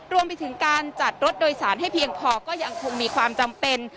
รวมไปถึงการจัดรถโดยสารให้เพียงพอก็ยังคงมีความจำเป็น